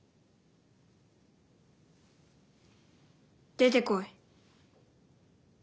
出てこい。